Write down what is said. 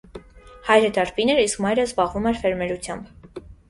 Հայրը դարբին էր, իսկ մայրը զբաղվում էր ֆերմերությամբ։